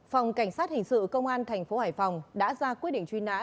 phòng cảnh sát hình sự công an thành phố hải phòng đã ra quyết định truy nã